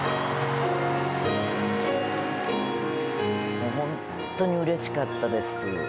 もう本当にうれしかったです。